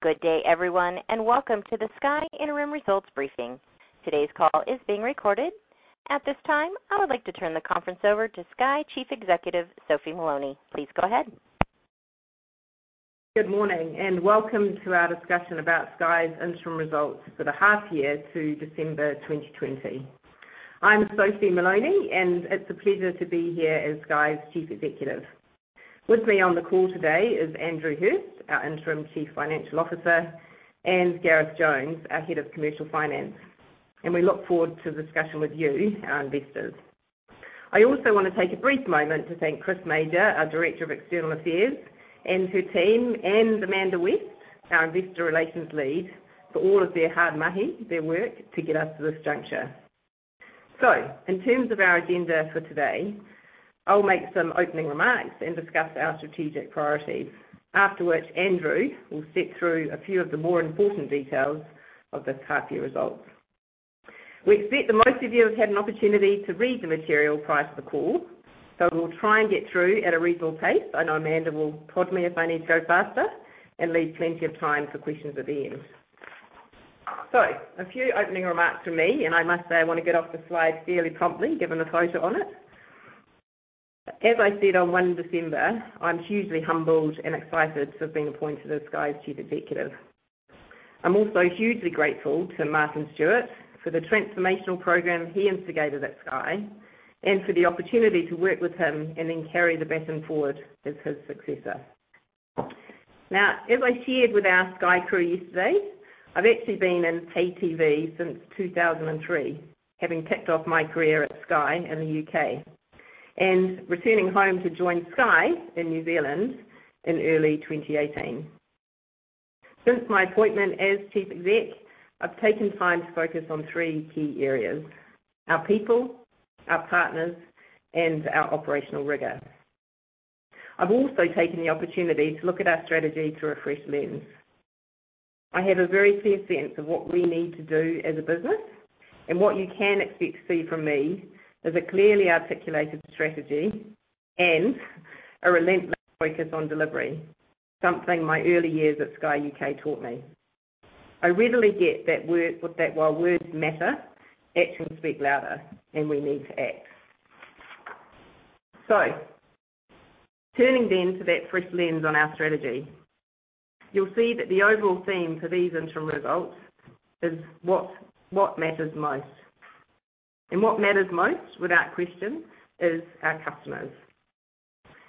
Good day, everyone, and welcome to the Sky interim results briefing. Today's call is being recorded. At this time, I would like to turn the conference over to Sky Chief Executive, Sophie Moloney. Please go ahead. Good morning, and welcome to our discussion about Sky's interim results for the half year to December 2020. I'm Sophie Moloney, and it's a pleasure to be here as Sky's Chief Executive. With me on the call today is Andrew Hirst, our Interim Chief Financial Officer, and Gareth Jones, our Head of Commercial Finance. We look forward to the discussion with you, our investors. I also want to take a brief moment to thank Chris Major, our Director of External Affairs, and her team, and Amanda West, our Investor Relations Lead, for all of their hard mahi, their work, to get us to this juncture. In terms of our agenda for today, I'll make some opening remarks and discuss our strategic priorities, after which Andrew will sit through a few of the more important details of this half year results. We expect that most of you have had an opportunity to read the material prior to the call, so we'll try and get through at a reasonable pace, I know Amanda will prod me if I need to go faster, and leave plenty of time for questions at the end. A few opening remarks from me, and I must say, I want to get off the slide fairly promptly, given the photo on it. As I said on 1 December, I'm hugely humbled and excited to have been appointed as Sky's Chief Executive. I'm also hugely grateful to Martin Stewart for the transformational program he instigated at Sky, and for the opportunity to work with him and then carry the baton forward as his successor. Now, as I shared with our Sky crew yesterday, I've actually been in pay TV since 2003, having kicked off my career at Sky in the UK, and returning home to join Sky in New Zealand in early 2018. Since my appointment as Chief Exec, I've taken time to focus on three key areas. Our people, our partners, and our operational rigor. I've also taken the opportunity to look at our strategy through a fresh lens. I have a very clear sense of what we need to do as a business, and what you can expect to see from me is a clearly articulated strategy and a relentless focus on delivery. Something my early years at Sky UK taught me. I readily get that while words matter, actions speak louder, and we need to act. Turning then to that fresh lens on our strategy. You'll see that the overall theme for these interim results is what matters most. What matters most, without question, is our customers.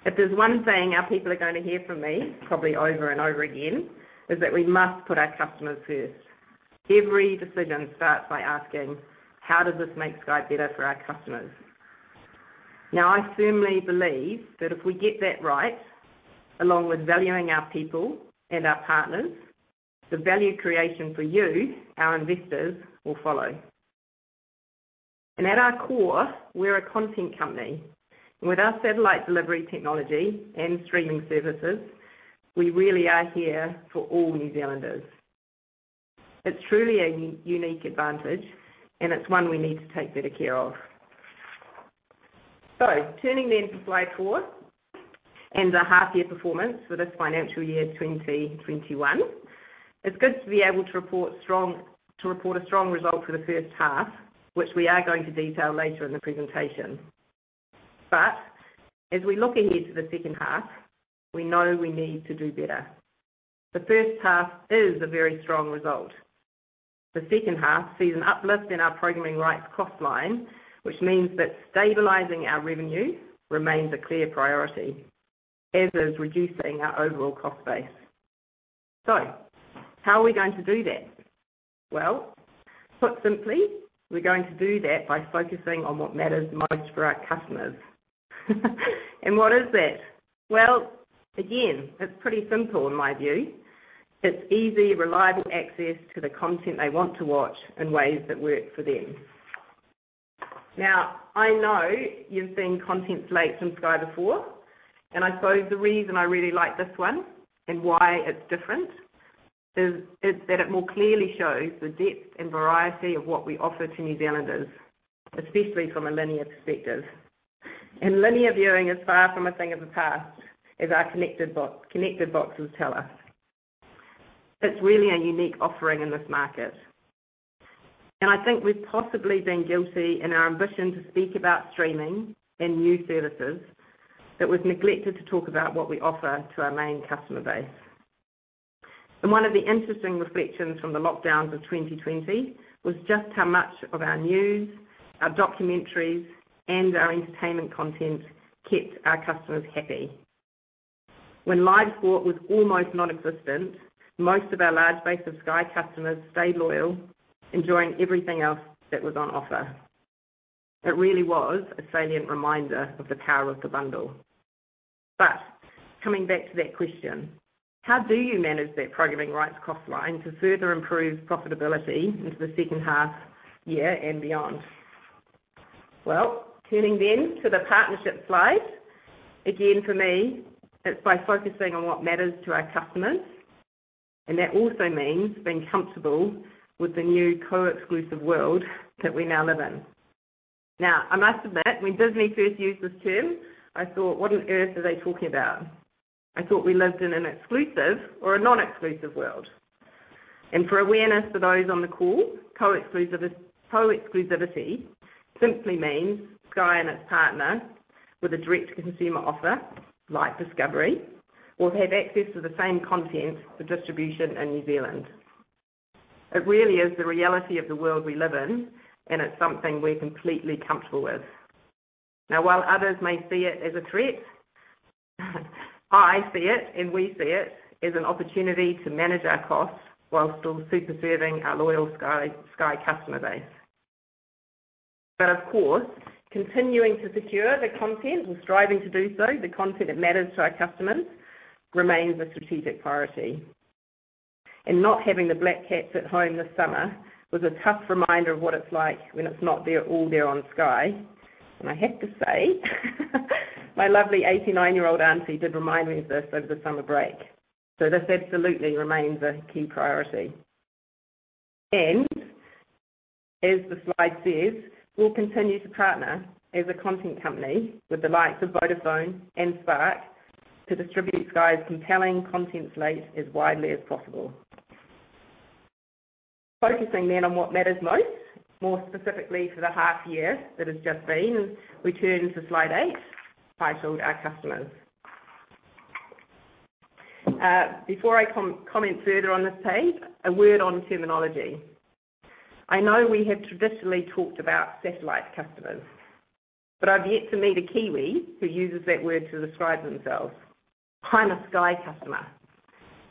If there's one thing our people are going to hear from me, probably over and over again, is that we must put our customers first. Every decision starts by asking, "How does this make Sky better for our customers?" I firmly believe that if we get that right, along with valuing our people and our partners, the value creation for you, our investors, will follow. At our core, we're a content company. With our satellite delivery technology and streaming services, we really are here for all New Zealanders. It's truly a unique advantage, and it's one we need to take better care of. Turning to slide four and the half year performance for this financial year, 2021. It's good to be able to report a strong result for the first half, which we are going to detail later in the presentation. As we look ahead to the second half, we know we need to do better. The first half is a very strong result. The second half sees an uplift in our programming rights cost line, which means that stabilizing our revenue remains a clear priority, as is reducing our overall cost base. How are we going to do that? Well, put simply, we're going to do that by focusing on what matters most for our customers. What is that? Well, again, it's pretty simple in my view. It's easy, reliable access to the content they want to watch in ways that work for them. Now, I know you've seen content slates from Sky before, I suppose the reason I really like this one and why it's different, is that it more clearly shows the depth and variety of what we offer to New Zealanders, especially from a linear perspective. Linear viewing is far from a thing of the past, as our connected boxes tell us. It's really a unique offering in this market. I think we've possibly been guilty in our ambition to speak about streaming and new services that we've neglected to talk about what we offer to our main customer base. One of the interesting reflections from the lockdowns of 2020 was just how much of our news, our documentaries, and our entertainment content kept our customers happy. When live sport was almost nonexistent, most of our large base of Sky customers stayed loyal, enjoying everything else that was on offer. It really was a salient reminder of the power of the bundle. Coming back to that question, how do you manage that programming rights cost line to further improve profitability into the second half year and beyond? Turning then to the partnership slide. Again, for me, it's by focusing on what matters to our customers, and that also means being comfortable with the new co-exclusive world that we now live in. I must admit, when Disney first used this term, I thought, "What on earth are they talking about?" I thought we lived in an exclusive or a non-exclusive world. For awareness for those on the call, co-exclusivity simply means Sky and its partner, with a direct-to-consumer offer, like Discovery, will have access to the same content for distribution in New Zealand. It really is the reality of the world we live in, and it's something we're completely comfortable with. While others may see it as a threat, I see it, and we see it, as an opportunity to manage our costs while still super serving our loyal Sky customer base. Of course, continuing to secure the content and striving to do so, the content that matters to our customers, remains a strategic priority. Not having the Black Caps at home this summer was a tough reminder of what it's like when it's not all there on Sky. I have to say, my lovely 89-year-old auntie did remind me of this over the summer break, so this absolutely remains a key priority. As the slide says, we'll continue to partner as a content company with the likes of Vodafone and Spark to distribute Sky's compelling content slate as widely as possible. Focusing on what matters most. More specifically for the half-year that has just been, we turn to slide eight, titled Our Customers. Before I comment further on this page, a word on terminology. I know we have traditionally talked about satellite customers, but I've yet to meet a Kiwi who uses that word to describe themselves. "I'm a Sky customer."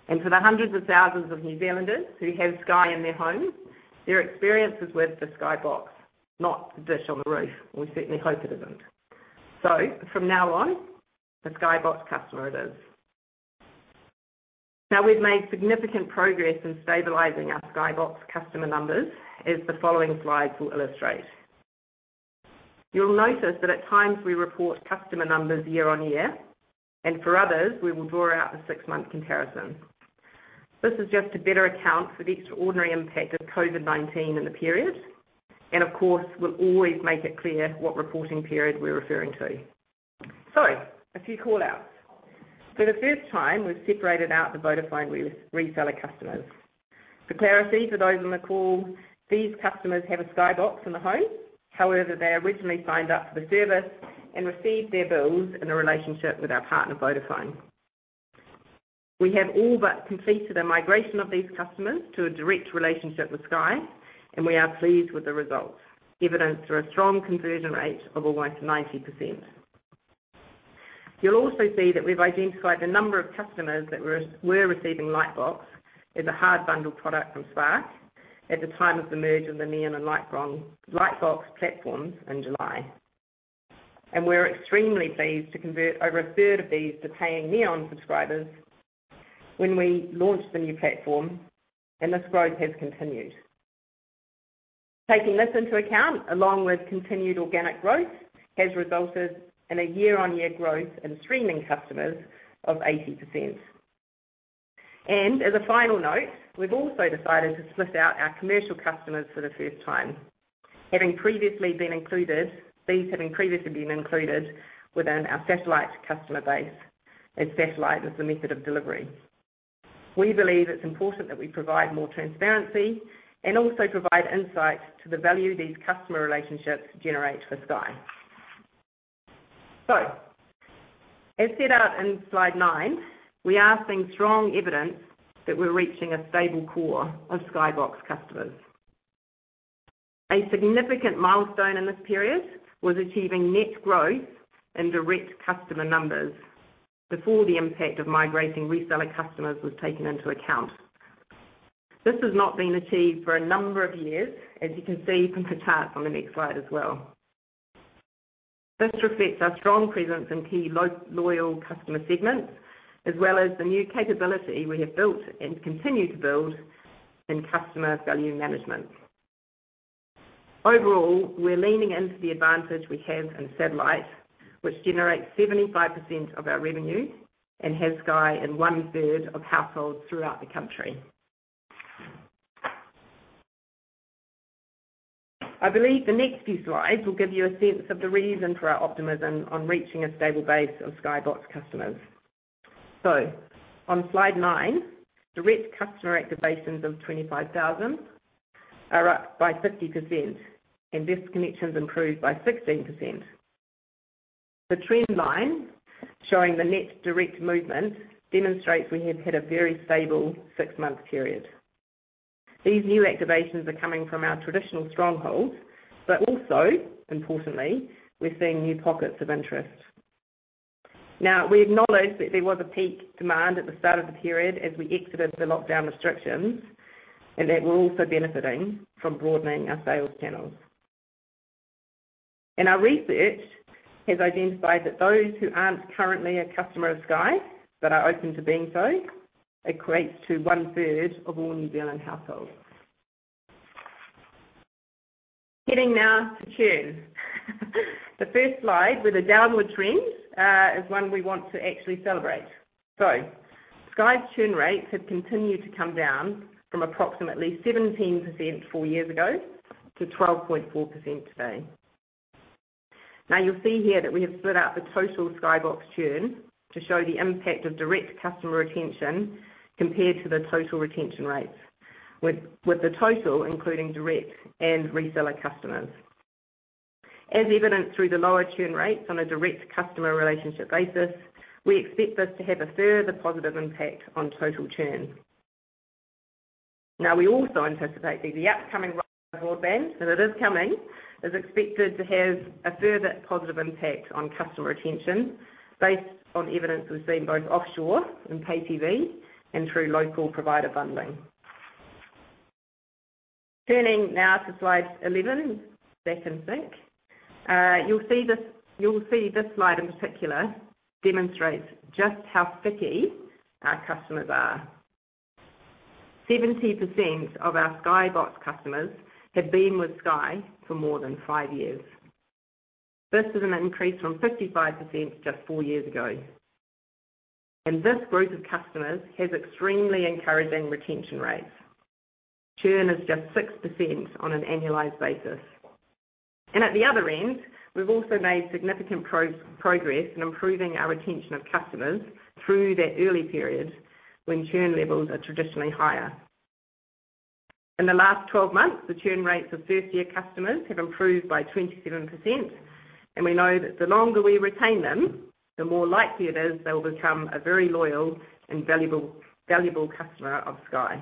For the hundreds of thousands of New Zealanders who have Sky in their home, their experience is with the Sky Box, not the dish on the roof. We certainly hope it isn't. From now on, the Sky Box customer it is. We've made significant progress in stabilizing our Sky Box customer numbers, as the following slides will illustrate. You'll notice that at times we report customer numbers year-over-year, and for others, we will draw out a six-month comparison. This is just to better account for the extraordinary impact of COVID-19 in the period. Of course, we'll always make it clear what reporting period we're referring to. A few call-outs. For the first time, we've separated out the Vodafone reseller customers. For clarity for those on the call, these customers have a Sky Box in the home, however, they originally signed up for the service and received their bills in a relationship with our partner, Vodafone. We have all but completed a migration of these customers to a direct relationship with Sky, and we are pleased with the results, evident through a strong conversion rate of almost 90%. You'll also see that we've identified the number of customers that were receiving Lightbox as a hard bundled product from Spark at the time of the merge of the Neon and Lightbox platforms in July. We're extremely pleased to convert over a third of these to paying Neon subscribers when we launched the new platform, and this growth has continued. Taking this into account, along with continued organic growth, has resulted in a year-on-year growth in streaming customers of 80%. As a final note, we've also decided to split out our commercial customers for the first time. These having previously been included within our satellite customer base, as satellite was the method of delivery. We believe it's important that we provide more transparency and also provide insight to the value these customer relationships generate for Sky. As set out in slide nine, we are seeing strong evidence that we're reaching a stable core of Sky Box customers. A significant milestone in this period was achieving net growth in direct customer numbers before the impact of migrating reseller customers was taken into account. This has not been achieved for a number of years, as you can see from the chart on the next slide as well. This reflects our strong presence in key loyal customer segments, as well as the new capability we have built and continue to build in customer value management. Overall, we're leaning into the advantage we have in satellite, which generates 75% of our revenue and has Sky in one-third of households throughout the country. I believe the next few slides will give you a sense of the reason for our optimism on reaching a stable base of Sky Box customers. On slide nine, direct customer activations of 25,000 are up by 50%, and disconnections improved by 16%. The trend line, showing the net direct movement, demonstrates we have had a very stable six-month period. These new activations are coming from our traditional strongholds, but also, importantly, we're seeing new pockets of interest. We acknowledge that there was a peak demand at the start of the period as we exited the lockdown restrictions, and that we're also benefiting from broadening our sales channels. Our research has identified that those who aren't currently a customer of Sky, but are open to being so, equates to 1/3 of all New Zealand households. Heading now to churn. The first slide, with a downward trend, is one we want to actually celebrate. Sky churn rates have continued to come down from approximately 17% four years ago to 12.4% today. You'll see here that we have split out the total Sky Box churn to show the impact of direct customer retention compared to the total retention rates, with the total including direct and reseller customers. As evidenced through the lower churn rates on a direct customer relationship basis, we expect this to have a further positive impact on total churn. We also anticipate the upcoming broadband, and it is coming, is expected to have a further positive impact on customer retention based on evidence we've seen both offshore in pay TV and through local provider bundling. Turning now to slide 11. Back in sync. You'll see this slide in particular demonstrates just how sticky our customers are. 70% of our Sky Box customers have been with Sky for more than 5 years. This is an increase from 55% just 4 years ago. This group of customers has extremely encouraging retention rates. Churn is just 6% on an annualized basis. At the other end, we've also made significant progress in improving our retention of customers through that early period when churn levels are traditionally higher. In the last 12 months, the churn rates of first-year customers have improved by 27%. We know that the longer we retain them, the more likely it is they'll become a very loyal and valuable customer of Sky.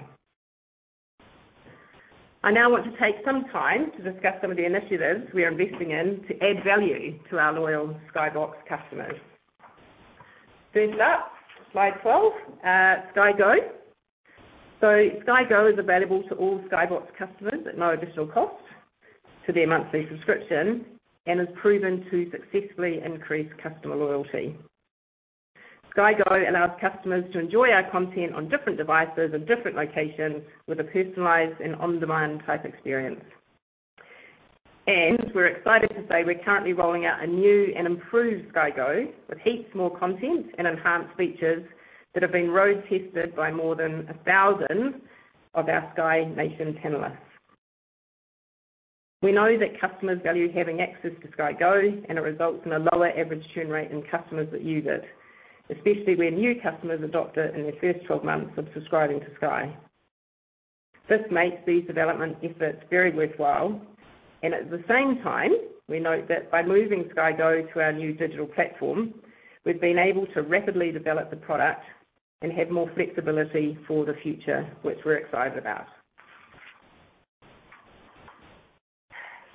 I now want to take some time to discuss some of the initiatives we are investing in to add value to our loyal Sky Box customers. First up, slide 12, Sky Go. Sky Go is available to all Sky Box customers at no additional cost to their monthly subscription and is proven to successfully increase customer loyalty. Sky Go allows customers to enjoy our content on different devices and different locations with a personalized and on-demand type experience. We're excited to say we're currently rolling out a new and improved Sky Go with heaps more content and enhanced features that have been road tested by more than 1,000 of our Sky Nation panelists. We know that customers value having access to Sky Go, and it results in a lower average churn rate in customers that use it, especially where new customers adopt it in their first 12 months of subscribing to Sky. This makes these development efforts very worthwhile. At the same time, we note that by moving Sky Go to our new digital platform, we've been able to rapidly develop the product and have more flexibility for the future, which we're excited about.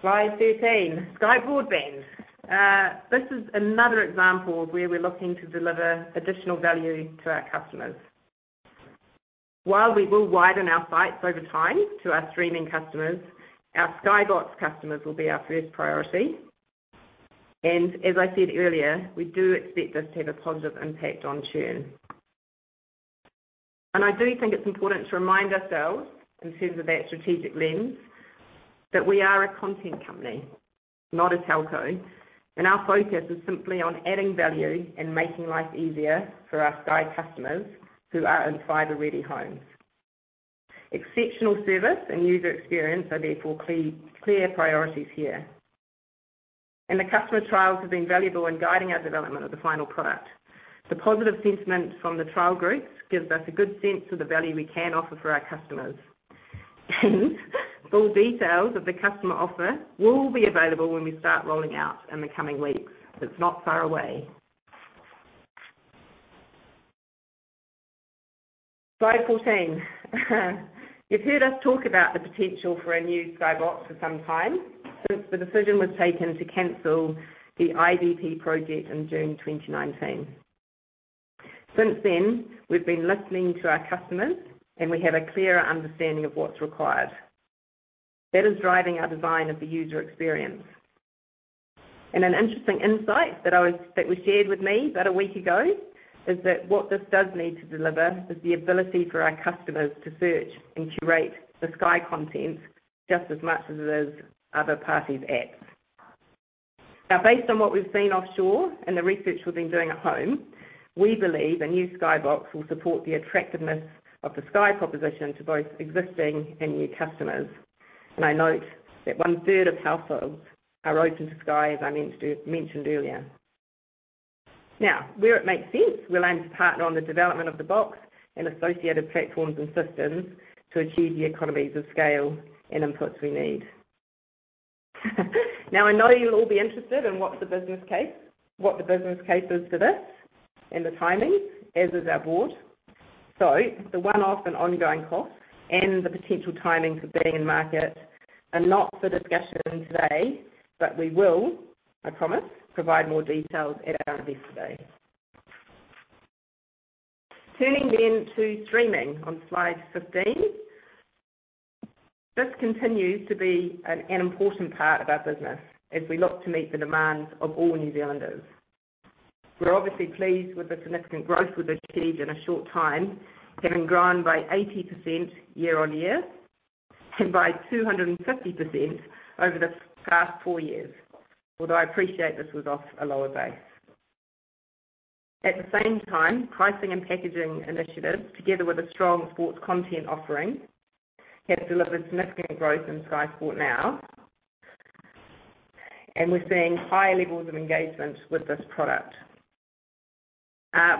Slide 13, Sky Broadband. This is another example of where we're looking to deliver additional value to our customers. While we will widen our sights over time to our streaming customers, our Sky Box customers will be our first priority. As I said earlier, we do expect this to have a positive impact on churn. I do think it's important to remind ourselves, in terms of that strategic lens, that we are a content company, not a telco, and our focus is simply on adding value and making life easier for our Sky customers who are in fiber-ready homes. Exceptional service and user experience are therefore clear priorities here. The customer trials have been valuable in guiding our development of the final product. The positive sentiment from the trial groups gives us a good sense of the value we can offer for our customers. Full details of the customer offer will be available when we start rolling out in the coming weeks. It's not far away. Slide 14. You've heard us talk about the potential for a new Sky Box for some time, since the decision was taken to cancel the IDP project in June 2019. Since then, we've been listening to our customers, and we have a clearer understanding of what's required. That is driving our design of the user experience. An interesting insight that was shared with me about a week ago is that what this does need to deliver is the ability for our customers to search and curate the Sky content just as much as it is other parties' apps. Based on what we've seen offshore and the research we've been doing at home, we believe a new Sky Box will support the attractiveness of the Sky proposition to both existing and new customers. I note that 1/3 of households are open to Sky, as I mentioned earlier. Where it makes sense, we're looking to partner on the development of the box and associated platforms and systems to achieve the economies of scale and inputs we need. I know you'll all be interested in what the business case is for this and the timing, as is our board. The one-off and ongoing costs, and the potential timing for being in market are not for discussion today, but we will, I promise, provide more details at our Investor Day. Turning to streaming on slide 15. This continues to be an important part of our business as we look to meet the demands of all New Zealanders. We're obviously pleased with the significant growth we've achieved in a short time, having grown by 80% year-on-year, and by 250% over the past four years. Although I appreciate this was off a lower base. At the same time, pricing and packaging initiatives, together with a strong sports content offering, have delivered significant growth in Sky Sport Now, and we're seeing high levels of engagement with this product.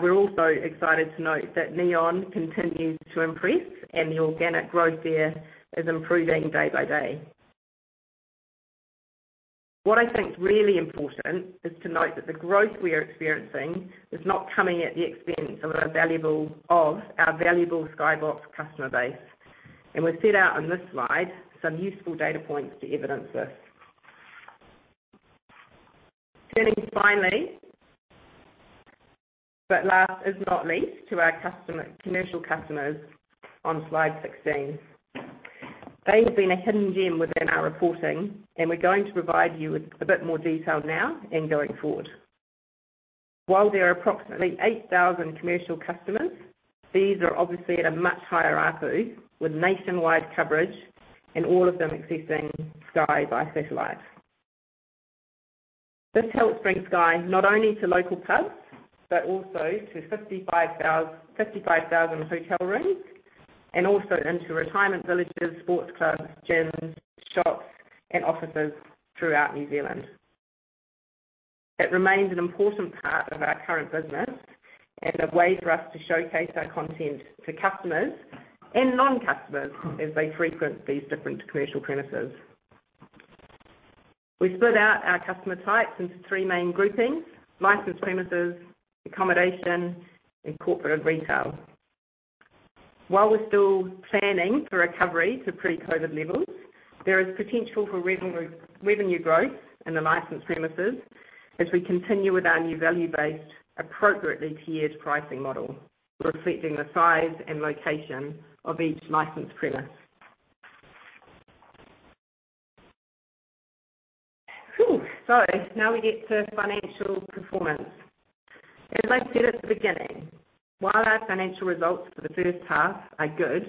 We're also excited to note that Neon continues to impress, and the organic growth there is improving day-by-day. What I think is really important is to note that the growth we are experiencing is not coming at the expense of our valuable Sky Box customer base, and we've set out in this slide some useful data points to evidence this. Turning finally, but last is not least, to our commercial customers on slide 16. They've been a hidden gem within our reporting, and we're going to provide you with a bit more detail now and going forward. While there are approximately 8,000 commercial customers, these are obviously at a much higher ARPU with nationwide coverage and all of them accessing Sky by satellite. This helps bring Sky not only to local pubs, but also to 55,000 hotel rooms, and also into retirement villages, sports clubs, gyms, shops, and offices throughout New Zealand. It remains an important part of our current business and a way for us to showcase our content to customers and non-customers as they frequent these different commercial premises. We've split out our customer types into three main groupings: licensed premises, accommodation, and corporate retail. While we're still planning for recovery to pre-COVID levels, there is potential for revenue growth in the licensed premises as we continue with our new value-based, appropriately tiered pricing model, reflecting the size and location of each licensed premise. Now we get to financial performance. As I said at the beginning, while our financial results for the first half are good,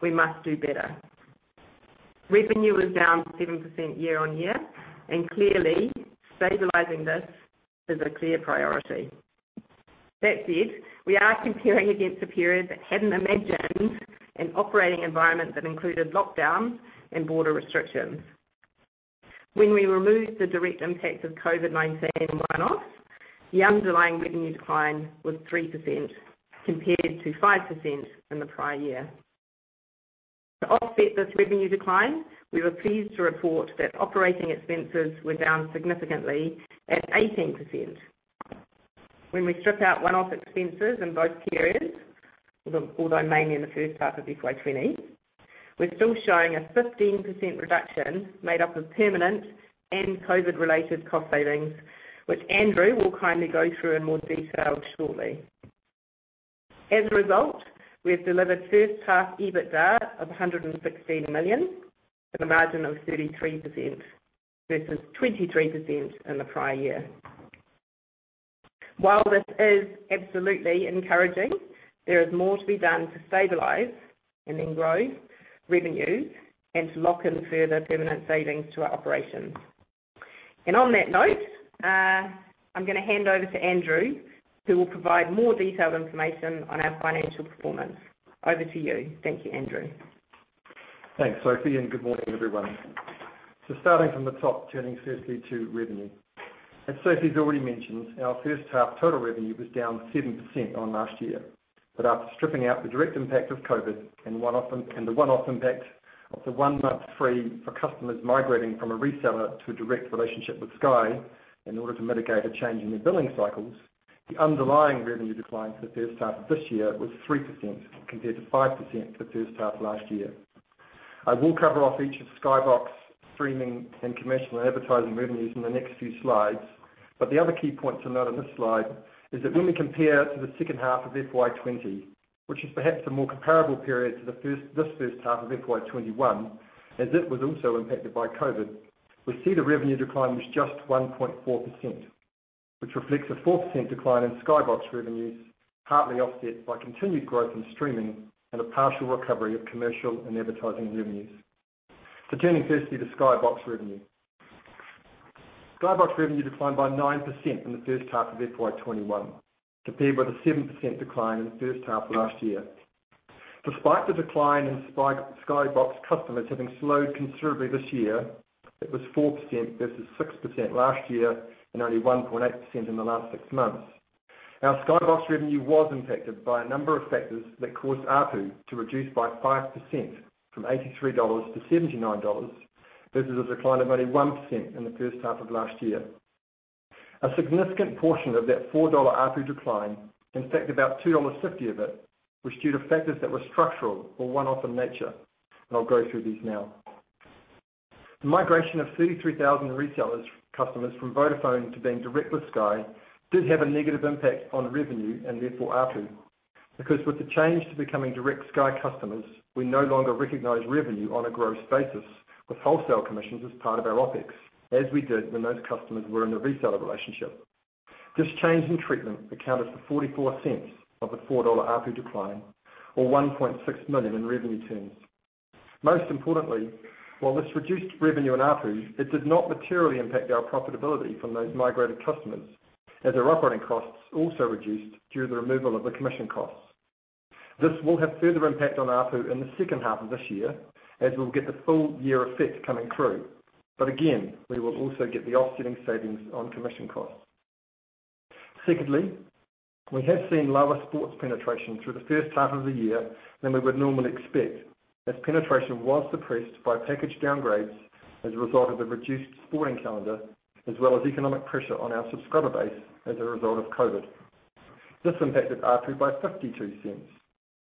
we must do better. Revenue was down 7% year-on-year, clearly, stabilizing this is a clear priority. That said, we are comparing against a period that hadn't imagined an operating environment that included lockdowns and border restrictions. When we remove the direct impacts of COVID-19 one-offs, the underlying revenue decline was 3% compared to 5% in the prior year. To offset this revenue decline, we were pleased to report that operating expenses were down significantly at 18%. When we strip out one-off expenses in both periods, although mainly in the first half of FY 2020, we're still showing a 15% reduction made up of permanent and COVID-related cost savings, which Andrew will kindly go through in more detail shortly. As a result, we have delivered first half EBITDA of 116 million and a margin of 33% versus 23% in the prior year. While this is absolutely encouraging, there is more to be done to stabilize and then grow revenue and to lock in further permanent savings to our operations. On that note, I'm going to hand over to Andrew, who will provide more detailed information on our financial performance. Over to you. Thank you, Andrew. Thanks, Sophie, and good morning, everyone. Starting from the top, turning firstly to revenue. As Sophie's already mentioned, our first half total revenue was down 7% on last year, but after stripping out the direct impact of COVID and the one-off impact of the one month free for customers migrating from a reseller to a direct relationship with Sky in order to mitigate a change in their billing cycles, the underlying revenue decline for the first half of this year was 3% compared to 5% for the first half of last year. I will cover off each of Sky Box, streaming, and commercial and advertising revenues in the next few slides. The other key point to note on this slide is that when we compare to the second half of FY 2020, which is perhaps a more comparable period to this first half of FY 2021, as it was also impacted by COVID, we see the revenue decline was just 1.4%, which reflects a 4% decline in Sky Box revenues, partly offset by continued growth in streaming and a partial recovery of commercial and advertising revenues. Turning firstly to Sky Box revenue. Sky Box revenue declined by 9% in the first half of FY 2021, compared with a 7% decline in the first half of last year. Despite the decline in Sky Box customers having slowed considerably this year, it was 4% versus 6% last year and only 1.8% in the last six months. Our Sky Box revenue was impacted by a number of factors that caused ARPU to reduce by 5%, from 83-79 dollars, versus a decline of only 1% in the first half of last year. A significant portion of that 4 dollar ARPU decline, in fact, about 2.50 dollars of it, was due to factors that were structural or one-off in nature. I will go through these now. The migration of 33,000 reseller customers from Vodafone to being direct with Sky did have a negative impact on revenue and therefore ARPU, because with the change to becoming direct Sky customers, we no longer recognize revenue on a gross basis with wholesale commissions as part of our OpEx, as we did when those customers were in a reseller relationship. This change in treatment accounted for 0.44 of the 4 dollar ARPU decline, or 1.6 million in revenue terms. Most importantly, while this reduced revenue and ARPU, it did not materially impact our profitability from those migrated customers, as their operating costs also reduced due to the removal of the commission costs. This will have further impact on ARPU in the second half of this year, as we'll get the full year effect coming through. Again, we will also get the offsetting savings on commission costs. Secondly, we have seen lower sports penetration through the first half of the year than we would normally expect, as penetration was suppressed by package downgrades as a result of the reduced sporting calendar, as well as economic pressure on our subscriber base as a result of COVID. This impacted ARPU by 0.52,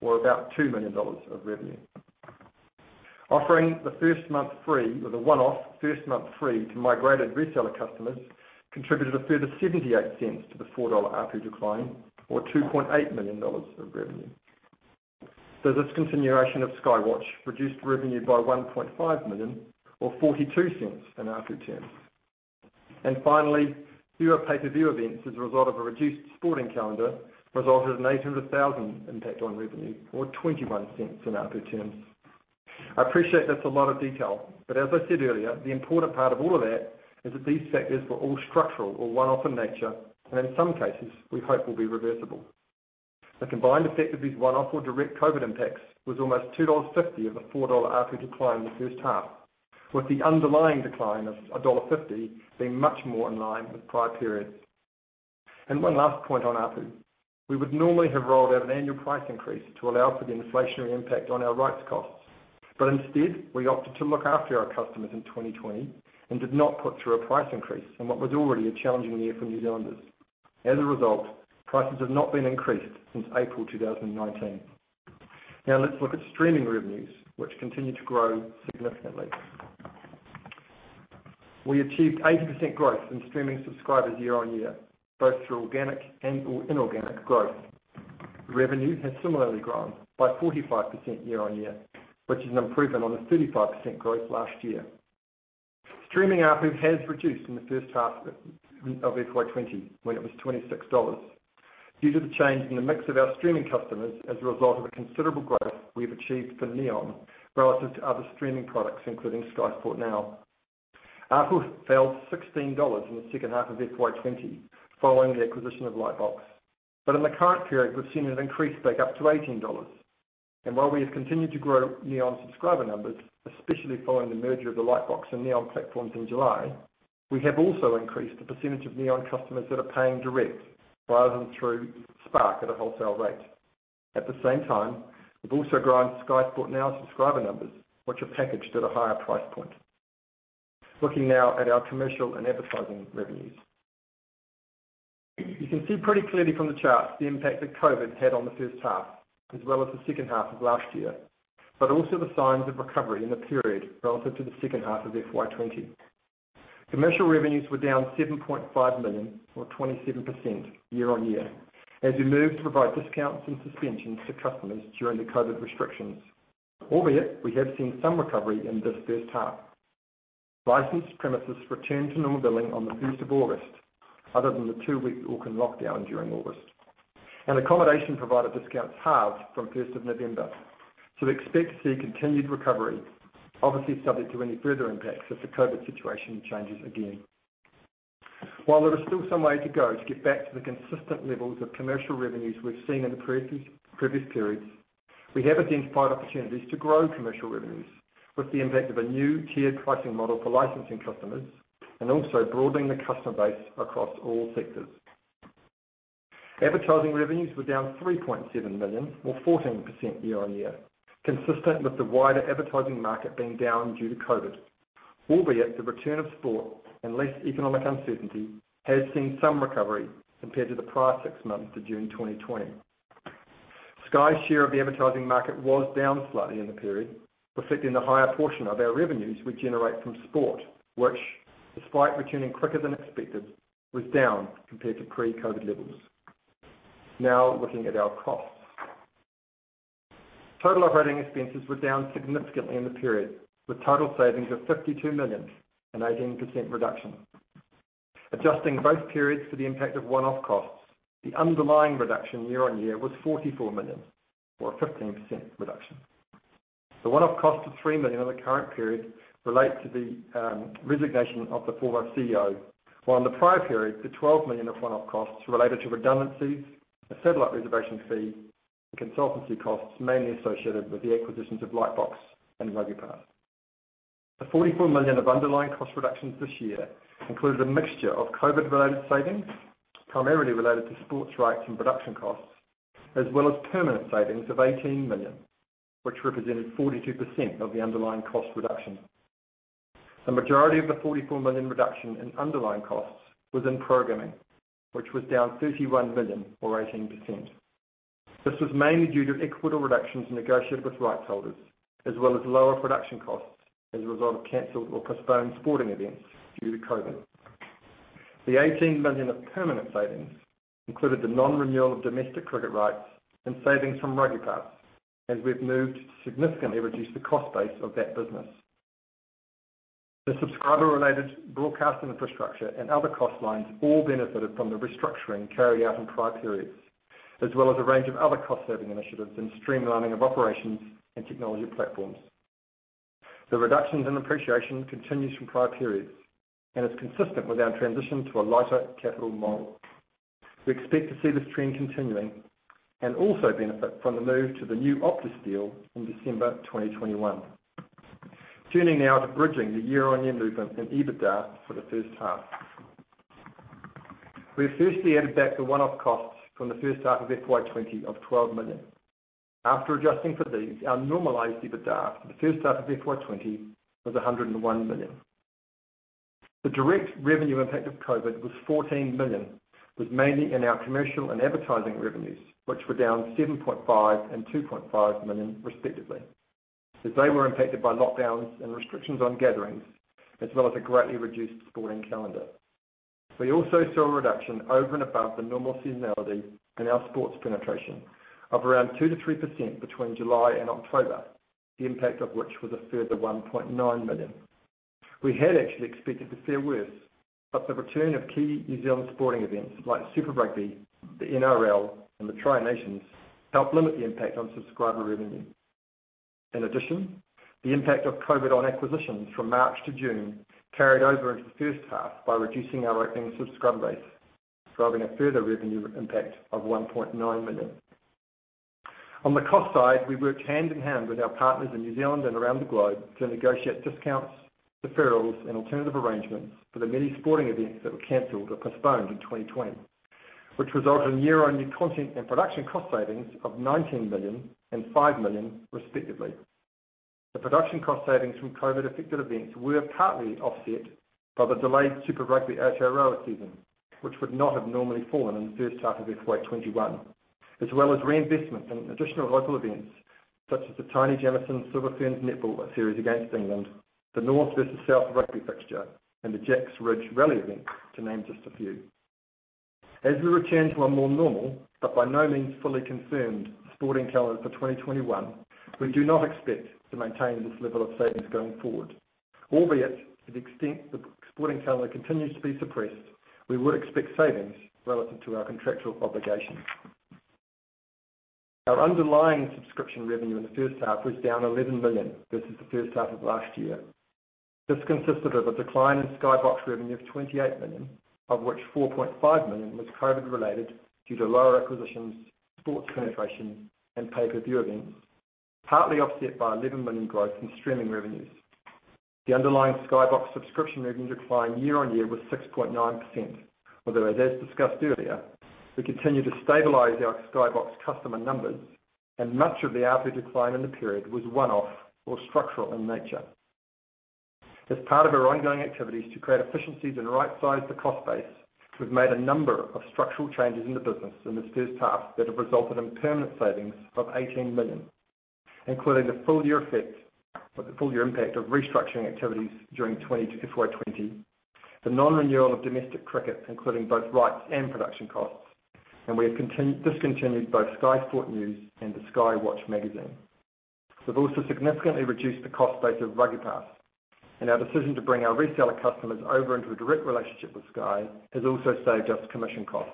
or about 2 million dollars of revenue. Offering the one-off first month free to migrated reseller customers contributed a further 0.78 to the 4 dollar ARPU decline, or 2.8 million dollars of revenue. Discontinuation of Sky Watch reduced revenue by 1.5 million or 0.42 in ARPU terms. Finally, fewer pay per view events as a result of a reduced sporting calendar resulted in an 800,000 impact on revenue or 0.21 in ARPU terms. I appreciate that's a lot of detail, but as I said earlier, the important part of all of that is that these factors were all structural or one-off in nature, and in some cases, we hope will be reversible. The combined effect of these one-off or direct COVID impacts was almost 2.50 dollars of the 4 dollar ARPU decline in the first half, with the underlying decline of dollar 1.50 being much more in line with prior periods. One last point on ARPU, we would normally have rolled out an annual price increase to allow for the inflationary impact on our rights costs. Instead, we opted to look after our customers in 2020 and did not put through a price increase on what was already a challenging year for New Zealanders. As a result, prices have not been increased since April 2019. Now let's look at streaming revenues, which continue to grow significantly. We achieved 80% growth in streaming subscribers year on year, both through organic and inorganic growth. Revenue has similarly grown by 45% year on year, which is an improvement on the 35% growth last year. Streaming ARPU has reduced in the first half of FY 2020, when it was 26 dollars. Due to the change in the mix of our streaming customers as a result of the considerable growth we have achieved for Neon relative to other streaming products, including Sky Sport Now. ARPU fell to 16 dollars in the second half of FY 2020 following the acquisition of Lightbox. In the current period, we've seen it increase back up to 18 dollars. While we have continued to grow Neon subscriber numbers, especially following the merger of the Lightbox and Neon platforms in July, we have also increased the percentage of Neon customers that are paying direct rather than through Spark at a wholesale rate. At the same time, we've also grown Sky Sport Now subscriber numbers, which are packaged at a higher price point. Looking now at our commercial and advertising revenues. You can see pretty clearly from the charts the impact that COVID had on the first half, as well as the second half of last year, but also the signs of recovery in the period relative to the second half of FY 2020. Commercial revenues were down 7.5 million or 27% year-on-year, as we moved to provide discounts and suspensions to customers during the COVID restrictions. Albeit, we have seen some recovery in this first half. Licensed premises returned to normal billing on the 1st of August, other than the 2-week Auckland lockdown during August. Accommodation provider discounts halved from 1st of November. We expect to see continued recovery, obviously subject to any further impacts if the COVID situation changes again. While there is still some way to go to get back to the consistent levels of commercial revenues we've seen in the previous periods, we have identified opportunities to grow commercial revenues with the impact of a new tiered pricing model for licensing customers and also broadening the customer base across all sectors. Advertising revenues were down 3.7 million or 14% year-on-year, consistent with the wider advertising market being down due to COVID. Albeit, the return of sport and less economic uncertainty has seen some recovery compared to the prior six months to June 2020. Sky's share of the advertising market was down slightly in the period, reflecting the higher portion of our revenues we generate from sport, which, despite returning quicker than expected, was down compared to pre-COVID levels. Looking at our costs. Total operating expenses were down significantly in the period, with total savings of 52 million, an 18% reduction. Adjusting both periods for the impact of one-off costs, the underlying reduction year-over-year was 44 million or a 15% reduction. The one-off cost of three million in the current period relate to the resignation of the former CEO, while in the prior period, the 12 million of one-off costs related to redundancies, a satellite reservation fee, and consultancy costs mainly associated with the acquisitions of Lightbox and RugbyPass. The 44 million of underlying cost reductions this year included a mixture of COVID-related savings, primarily related to sports rights and production costs, as well as permanent savings of 18 million, which represented 42% of the underlying cost reduction. The majority of the 44 million reduction in underlying costs was in programming, which was down 31 million or 18%. This was mainly due to equitable reductions negotiated with rights holders, as well as lower production costs as a result of canceled or postponed sporting events due to COVID. The 18 million of permanent savings included the non-renewal of domestic cricket rights and savings from RugbyPass, as we've moved to significantly reduce the cost base of that business. The subscriber-related broadcasting infrastructure and other cost lines all benefited from the restructuring carried out in prior periods, as well as a range of other cost-saving initiatives and streamlining of operations and technology platforms. The reductions in depreciation continues from prior periods and is consistent with our transition to a lighter capital model. We expect to see this trend continuing and also benefit from the move to the new Optus deal in December 2021. Turning now to bridging the year-on-year movement in EBITDA for the first half. We have firstly added back the one-off costs from the first half of FY 2020 of 12 million. After adjusting for these, our normalized EBITDA for the first half of FY 2020 was 101 million. The direct revenue impact of COVID was 14 million, with mainly in our commercial and advertising revenues, which were down 7.5 million and 2.5 million respectively, as they were impacted by lockdowns and restrictions on gatherings, as well as a greatly reduced sporting calendar. We also saw a reduction over and above the normal seasonality in our sports penetration of around 2%-3% between July and October, the impact of which was a further 1.9 million. We had actually expected to fare worse, but the return of key New Zealand sporting events like Super Rugby, the NRL, and the Tri Nations, helped limit the impact on subscriber revenue. In addition, the impact of COVID on acquisitions from March to June carried over into the first half by reducing our opening subscriber base, driving a further revenue impact of 1.9 million. On the cost side, we worked hand-in-hand with our partners in New Zealand and around the globe to negotiate discounts, deferrals, and alternative arrangements for the many sporting events that were canceled or postponed in 2020, which resulted in year-on-year content and production cost savings of 19 million and 5 million, respectively. The production cost savings from COVID-affected events were partly offset by the delayed Super Rugby Aotearoa season, which would not have normally fallen in the first half of FY 2021, as well as reinvestment in additional local events such as the Taini Jamison Silver Ferns netball series against England, the North versus South Rugby fixture, and the Jack's Ridge Rally event, to name just a few. As we return to a more normal, but by no means fully confirmed, sporting calendar for 2021, we do not expect to maintain this level of savings going forward. To the extent the sporting calendar continues to be suppressed, we would expect savings relative to our contractual obligations. Our underlying subscription revenue in the first half was down 11 million versus the first half of last year. This consisted of a decline in Sky Box revenue of 28 million, of which 4.5 million was COVID-related due to lower acquisitions, sports penetration, and pay-per-view events, partly offset by 11 million growth in streaming revenues. The underlying Sky Box subscription revenue decline year-on-year was 6.9%, although as discussed earlier, we continue to stabilize our Sky Box customer numbers, and much of the ARPU decline in the period was one-off or structural in nature. As part of our ongoing activities to create efficiencies and right-size the cost base, we've made a number of structural changes in the business in this first half that have resulted in permanent savings of 18 million, including the full-year impact of restructuring activities during FY 2020, the non-renewal of domestic cricket, including both rights and production costs, and we have discontinued both Sky Sport News and the Sky Watch magazine. We've also significantly reduced the cost base of RugbyPass, and our decision to bring our reseller customers over into a direct relationship with Sky has also saved us commission costs.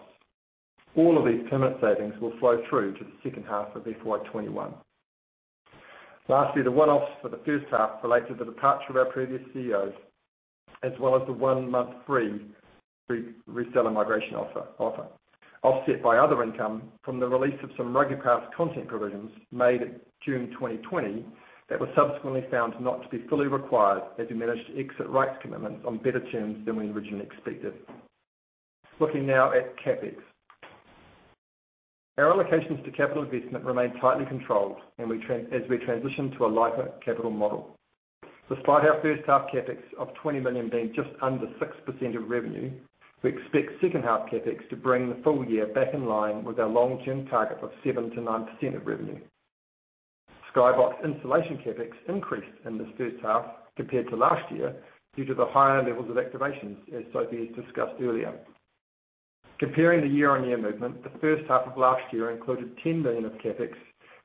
All of these permanent savings will flow through to the second half of FY 2021. Lastly, the one-offs for the first half relate to the departure of our previous CEO, as well as the one month free reseller migration offer, offset by other income from the release of some RugbyPass content provisions made June 2020 that were subsequently found not to be fully required as we managed to exit rights commitments on better terms than we originally expected. Looking now at CapEx. Our allocations to capital investment remain tightly controlled as we transition to a lighter capital model. Despite our first half CapEx of 20 million being just under 6% of revenue, we expect second half CapEx to bring the full year back in line with our long-term target of 7%-9% of revenue. Sky Box installation CapEx increased in this first half compared to last year due to the higher levels of activations, as Sophie has discussed earlier. Comparing the year-on-year movement, the first half of last year included 10 million of CapEx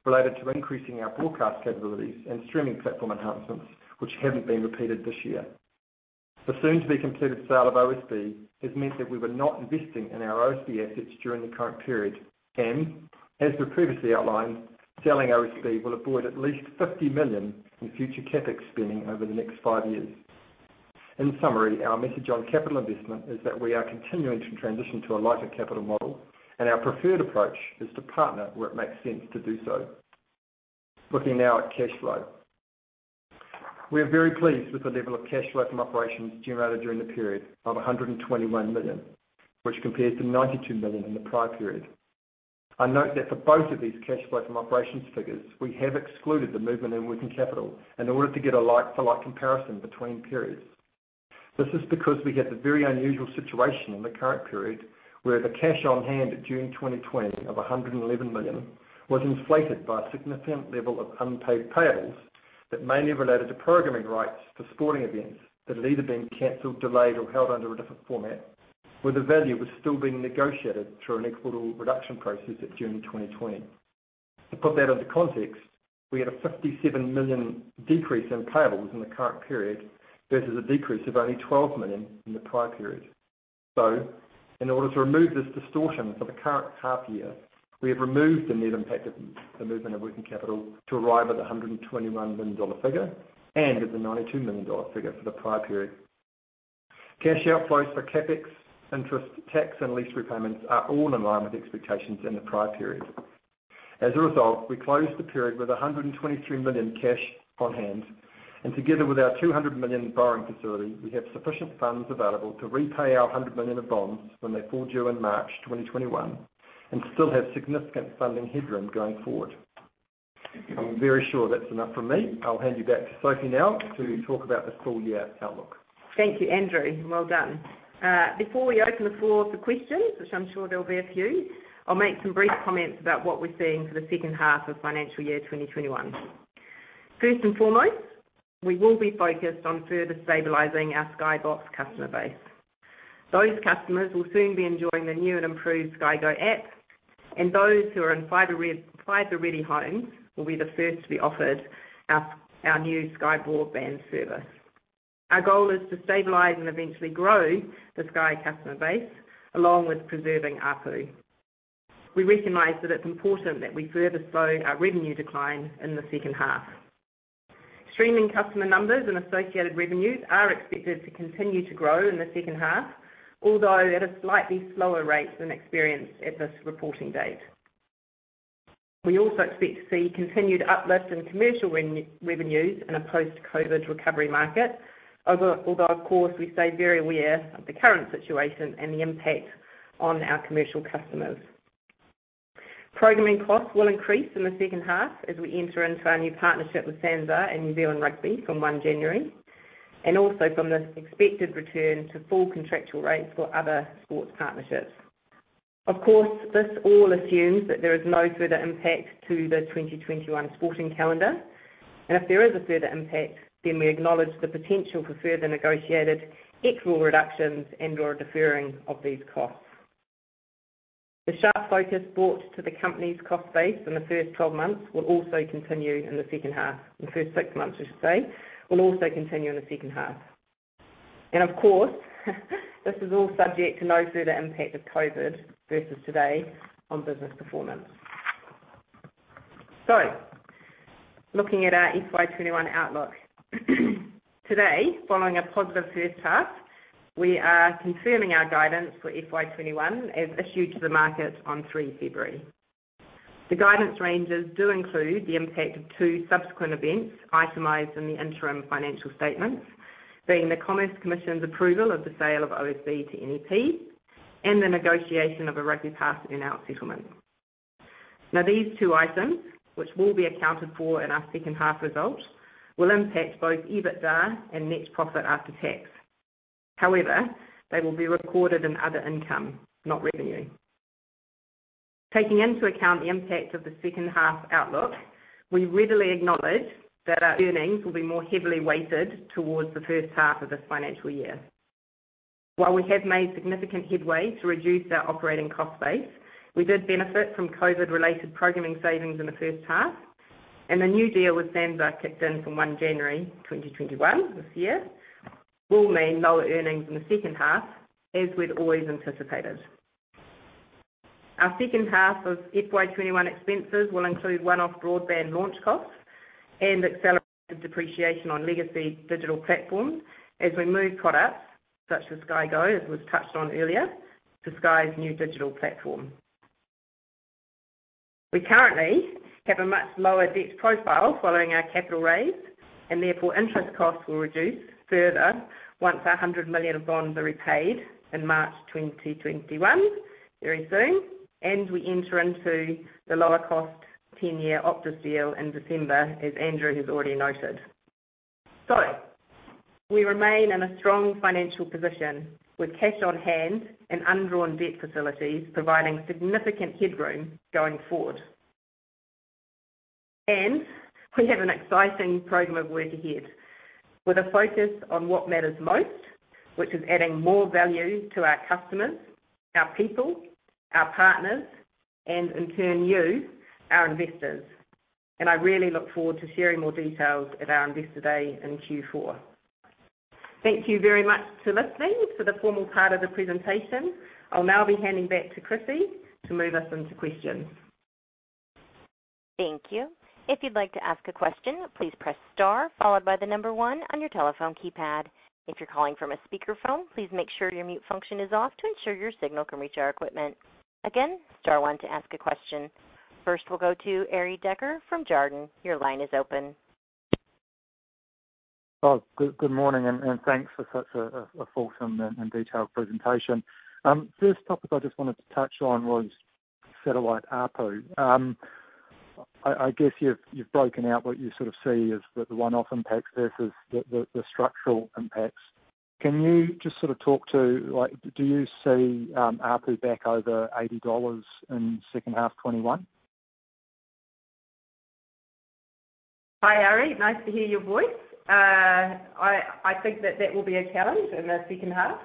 related to increasing our broadcast capabilities and streaming platform enhancements, which haven't been repeated this year. The soon-to-be-completed sale of OSB has meant that we were not investing in our OSB assets during the current period, and as we previously outlined, selling OSB will avoid at least 50 million in future CapEx spending over the next five years. In summary, our message on capital investment is that we are continuing to transition to a lighter capital model, and our preferred approach is to partner where it makes sense to do so. Looking now at cash flow. We are very pleased with the level of cash flow from operations generated during the period of 121 million, which compares to 92 million in the prior period. I note that for both of these cash flow from operations figures, we have excluded the movement in working capital in order to get a like-for-like comparison between periods. This is because we had the very unusual situation in the current period where the cash on hand during 2020 of 111 million was inflated by a significant level of unpaid payables that mainly related to programming rights for sporting events that had either been canceled, delayed, or held under a different format, where the value was still being negotiated through an equitable reduction process at June 2020. To put that into context, we had a 57 million decrease in payables in the current period versus a decrease of only 12 million in the prior period. In order to remove this distortion for the current half year, we have removed the net impact of the movement of working capital to arrive at the 121 million dollar figure and at the 92 million dollar figure for the prior period. Cash outflows for CapEx, interest, tax, and lease repayments are all in line with expectations in the prior period. As a result, we closed the period with 123 million cash on hand, and together with our 200 million borrowing facility, we have sufficient funds available to repay our 100 million of bonds when they fall due in March 2021, and still have significant funding headroom going forward. I'm very sure that's enough from me. I'll hand you back to Sophie Moloney now to talk about this full year outlook. Thank you, Andrew. Well done. Before we open the floor for questions, which I'm sure there will be a few, I will make some brief comments about what we are seeing for the second half of financial year 2021. First and foremost, we will be focused on further stabilizing our Sky Box customer base. Those customers will soon be enjoying the new and improved Sky Go app, and those who are in fiber-ready homes will be the first to be offered our new Sky Broadband service. Our goal is to stabilize and eventually grow the Sky customer base along with preserving ARPU. We recognize that it is important that we further slow our revenue decline in the second half. Streaming customer numbers and associated revenues are expected to continue to grow in the second half, although at a slightly slower rate than experienced at this reporting date. We also expect to see continued uplift in commercial revenues in a post-COVID recovery market, although of course we stay very aware of the current situation and the impact on our commercial customers. Programming costs will increase in the second half as we enter into our new partnership with SANZAAR and New Zealand Rugby from one January, and also from the expected return to full contractual rates for other sports partnerships. This all assumes that there is no further impact to the 2021 sporting calendar, and if there is a further impact, then we acknowledge the potential for further negotiated equitable reductions and/or deferring of these costs. The sharp focus brought to the company's cost base in the first six months, I should say, will also continue in the second half. Of course, this is all subject to no further impact of COVID versus today on business performance. Looking at our FY 2021 outlook. Today, following a positive first half, we are confirming our guidance for FY 2021 as issued to the market on three February. The guidance ranges do include the impact of two subsequent events itemized in the interim financial statements, being the Commerce Commission's approval of the sale of OSB to NEP and the negotiation of a RugbyPass earn-out settlement. These two items, which will be accounted for in our second half results, will impact both EBITDA and net profit after tax. They will be recorded in other income, not revenue. Taking into account the impact of the second half outlook, we readily acknowledge that our earnings will be more heavily weighted towards the first half of this financial year. While we have made significant headway to reduce our operating cost base, we did benefit from COVID-related programming savings in the first half, and the new deal with SANZAAR kicked in from 1 January 2021, this year, will mean lower earnings in the second half as we'd always anticipated. Our second half of FY 2021 expenses will include one-off broadband launch costs and accelerated depreciation on legacy digital platforms as we move products such as Sky Go, as was touched on earlier, to Sky's new digital platform. We currently have a much lower debt profile following our capital raise, and therefore interest costs will reduce further once our 100 million of bonds are repaid in March 2021, very soon, and we enter into the lower cost 10-year Optus deal in December, as Andrew has already noted. We remain in a strong financial position with cash on-hand and undrawn debt facilities providing significant headroom going forward. We have an exciting program of work ahead with a focus on what matters most, which is adding more value to our customers, our people, our partners, and in turn you, our investors. I really look forward to sharing more details at our Investor Day in Q4. Thank you very much for listening for the formal part of the presentation. I will now be handing back to Chris to move us into questions. Thank you. If you'd like to ask a question, please press star followed by the number one on your telephone keypad. If you're calling from a speakerphone, please make sure your mute function is off to ensure your signal can reach our equipment. Again, star one to ask a question. First, we'll go to Arie Dekker from Jarden. Your line is open. Oh, good morning and thanks for such a fulsome and detailed presentation. First topic I just wanted to touch on was satellite ARPU. I guess you've broken out what you sort of see as the one-off impacts versus the structural impacts. Can you just sort of talk to, do you see ARPU back over 80 dollars in second half 2021? Hi, Arie. Nice to hear your voice. I think that that will be a challenge in the second half.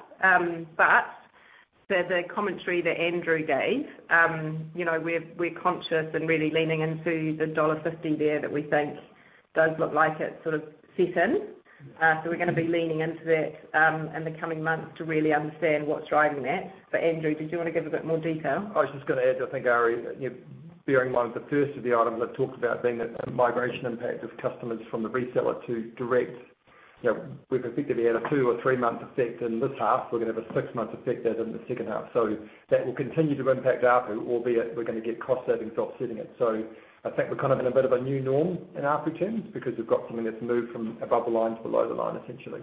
The commentary that Andrew gave, we're conscious and really leaning into the dollar 1.50 there that we think does look like it sort of set in. We're going to be leaning into that in the coming months to really understand what's driving that. Andrew, did you want to give a bit more detail? I was just going to add, I think, Arie, bearing one of the first of the items I've talked about being the migration impact of customers from the reseller to direct, we effectively had a 2 or 3-month effect in this half. We're going to have a 6-month effect out in the second half. That will continue to impact ARPU, albeit we're going to get cost savings offsetting it. I think we're kind of in a bit of a new norm in ARPU terms because we've got something that's moved from above the line to below the line, essentially.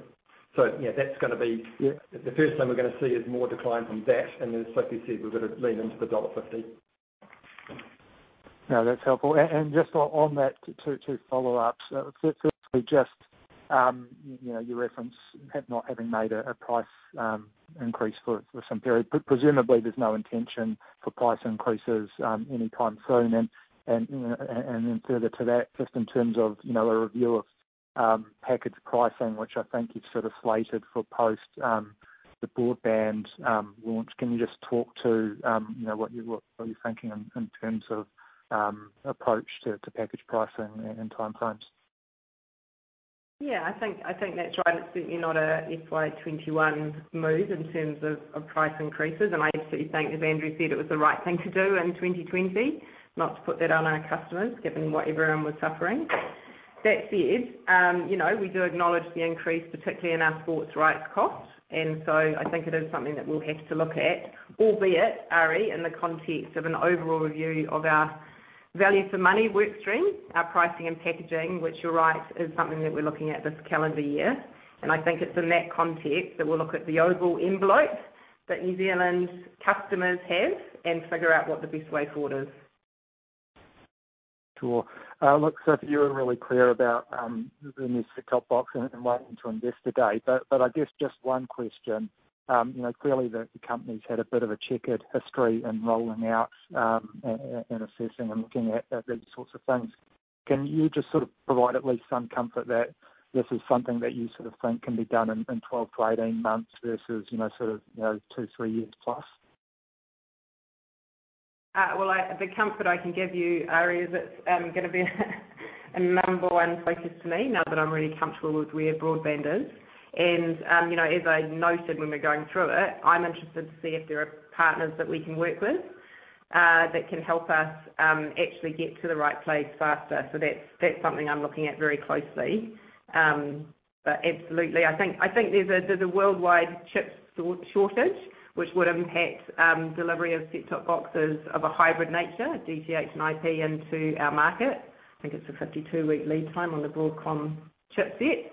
Yeah, that's going to be the first thing we're going to see is more decline from that. As Sophie said, we're going to lean into the dollar 1.50. No, that's helpful. Just on that, two follow-ups. Firstly, just your reference not having made a price increase for some period, presumably there's no intention for price increases anytime soon. Further to that, just in terms of a review of package pricing, which I think you've sort of slated for post the broadband launch, can you just talk to what you're thinking in terms of approach to package pricing and time frames? Yeah, I think that's right. It's certainly not a FY 2021 move in terms of price increases. I absolutely think, as Andrew said, it was the right thing to do in 2020, not to put that on our customers, given what everyone was suffering. That said, we do acknowledge the increase, particularly in our sports rights costs, and so I think it is something that we'll have to look at, albeit, Arie, in the context of an overall review of our value for money work stream, our pricing and packaging, which you're right, is something that we're looking at this calendar year. I think it's in that context that we'll look at the overall envelope that New Zealand's customers have and figure out what the best way forward is. Sure. Look, Sophie, you were really clear about the set-top box and wanting to invest today. I guess just one question. Clearly, the company's had a bit of a checkered history in rolling out and assessing and looking at these sorts of things. Can you just sort of provide at least some comfort that this is something that you sort of think can be done in 12-18 months versus two, three years plus? Well, the comfort I can give you, Arie, is it's going to be a number 1 focus for me now that I'm really comfortable with where broadband is. As I noted when we were going through it, I'm interested to see if there are partners that we can work with that can help us actually get to the right place faster. That's something I'm looking at very closely. Absolutely, I think there's a worldwide chip shortage which would impact delivery of set-top boxes of a hybrid nature, DTH and IP, into our market. I think it's a 52-week lead time on the Broadcom chipset.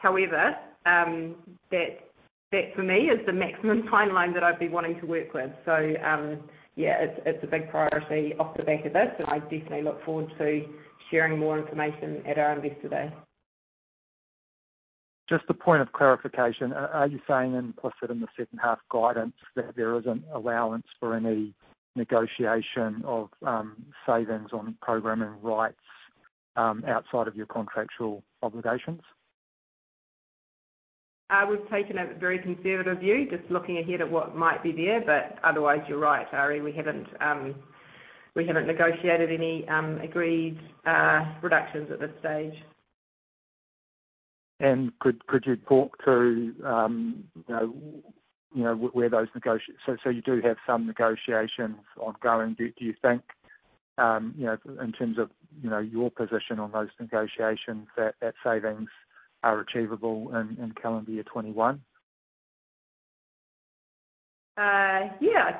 However, that for me is the maximum timeline that I'd be wanting to work with. Yeah, it's a big priority off the back of this, and I definitely look forward to sharing more information at our Investor Day. Just a point of clarification. Are you saying, implicit in the second half guidance, that there is an allowance for any negotiation of savings on programming rights outside of your contractual obligations? We've taken a very conservative view, just looking ahead at what might be there. Otherwise, you're right, Arie, we haven't negotiated any agreed reductions at this stage. Could you talk to where those negotiations, you do have some negotiations ongoing. Do you think, in terms of your position on those negotiations, that savings are achievable in calendar year 2021? Yeah.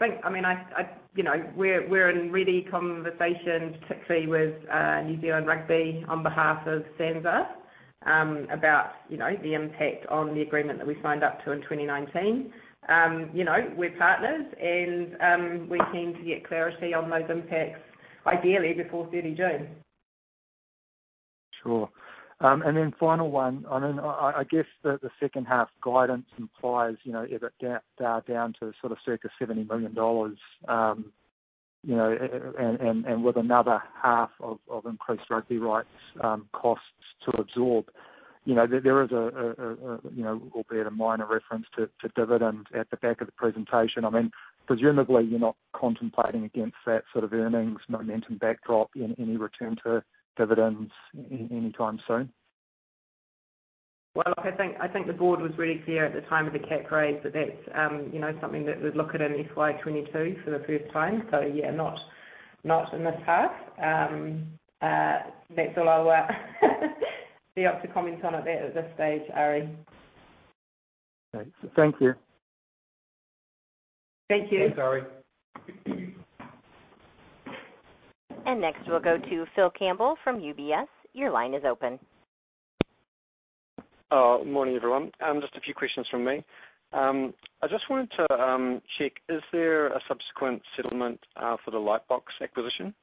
We're in ready conversations, particularly with New Zealand Rugby on behalf of SANZAAR, about the impact on the agreement that we signed up to in 2019. We're partners, and we're keen to get clarity on those impacts ideally before 30 June. Sure. Final one. I guess the second-half guidance implies that down to sort of circa 70 million dollars, and with another half of increased rugby rights costs to absorb. There is, albeit a minor reference, to dividends at the back of the presentation. Presumably you're not contemplating against that sort of earnings momentum backdrop any return to dividends anytime soon? Well, look, I think the board was really clear at the time of the cap raise that that's something that we'd look at in FY 2022 for the first time. Yeah, not in this half. That's all I will be able to comment on at this stage, Arie. Okay. Thank you. Thank you. Thanks, Arie. Next we'll go to Phil Campbell from UBS. Your line is open. Morning, everyone. Just a few questions from me. I just wanted to check, is there a subsequent settlement for the Lightbox acquisition?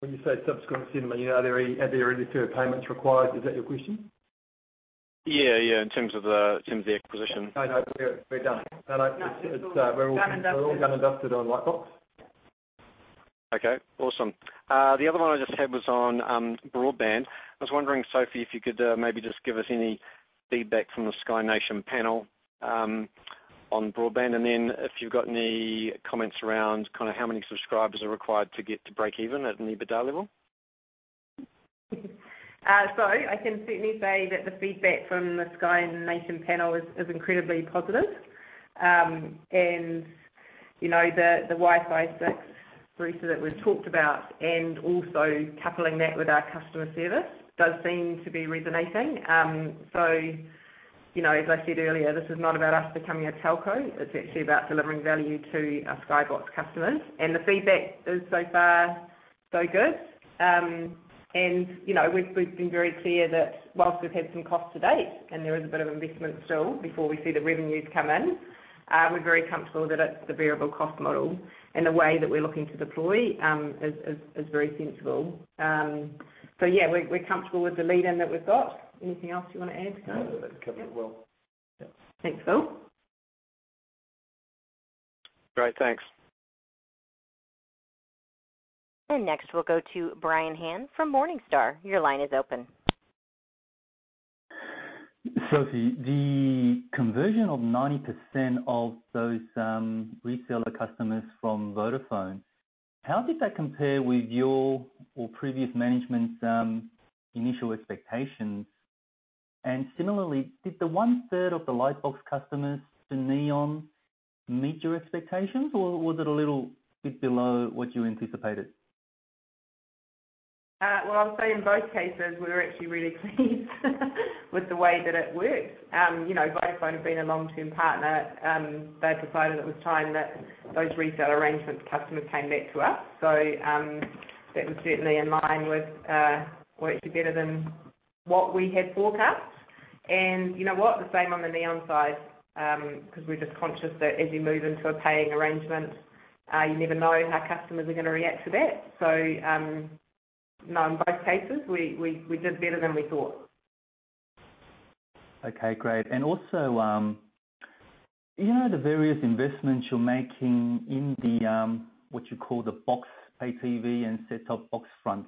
When you say subsequent settlement, are there any further payments required? Is that your question? Yeah. In terms of the acquisition. No, we're done. No. We're all done and dusted on Lightbox. Okay, awesome. The other one I just had was on broadband. I was wondering, Sophie, if you could maybe just give us any feedback from the Sky Nation panel on broadband, and then if you've got any comments around how many subscribers are required to get to breakeven at an EBITDA level. I can certainly say that the feedback from the Sky Nation panel is incredibly positive. The Wi-Fi 6 router that we've talked about, and also coupling that with our customer service does seem to be resonating. As I said earlier, this is not about us becoming a telco, it's actually about delivering value to our Sky Box customers. The feedback is so far, so good. We've been very clear that whilst we've had some costs to date, and there is a bit of investment still before we see the revenues come in, we're very comfortable that it's the variable cost model and the way that we're looking to deploy is very sensible. Yeah, we're comfortable with the lead-in that we've got. Anything else you want to add, Phil? No. That covered it well. Yeah. Thanks, Phil. Great. Thanks. Next, we'll go to Brian Han from Morningstar. Your line is open. Sophie, the conversion of 90% of those reseller customers from Vodafone, how did that compare with your, or previous management's, initial expectations? Similarly, did the one-third of the Lightbox customers to Neon meet your expectations or was it a little bit below what you anticipated? Well, I'll say in both cases, we were actually really pleased with the way that it worked. Vodafone have been a long-term partner. They've decided it was time that those resale arrangement customers came back to us. That was certainly in line with, worked better than what we had forecast. You know what? The same on the Neon side, because we're just conscious that as you move into a paying arrangement, you never know how customers are going to react to that. No, in both cases, we did better than we thought. Okay, great. Also, the various investments you're making in the, what you call the box, ATV, and set-top box front,